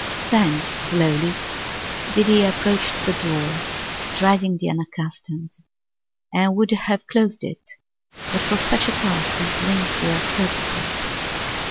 Then slowly did he approach the door, dreading the unaccustomed, and would have closed it, but for such a task his limbs were purposeless.